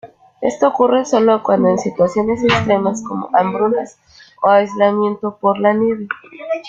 Esto ocurre sólo en situaciones extremas como hambrunas o aislamiento por la nieve.